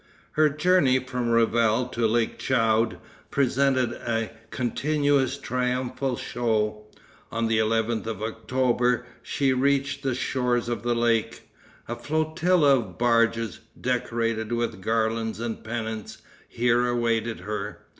Her journey from Revel to lake Tchoude presented but a continued triumphal show. On the 11th of October she reached the shores of the lake. A flotilla of barges, decorated with garlands and pennants, here awaited her.